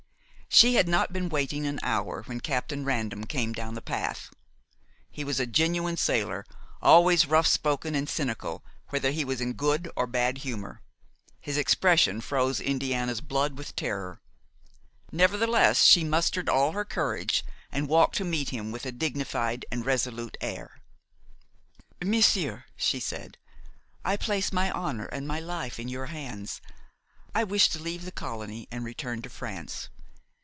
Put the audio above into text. She had not been waiting an hour when Captain Random came down the path. He was a genuine sailor, always rough spoken and cynical, whether he was in good or bad humor; his expression froze Indiana's blood with terror. Nevertheless, she mustered all her courage and walked to meet him with a dignified and resolute air. "Monsieur," she said, "I place my honor and my life in your hands. I wish to leave the colony and return to France.